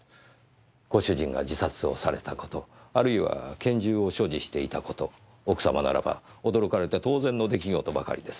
ご主人が自殺をされた事あるいは拳銃を所持していた事奥様ならば驚かれて当然の出来事ばかりです。